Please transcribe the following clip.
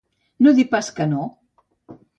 No dir pas que no.